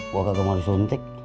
bokak gak mau disuntik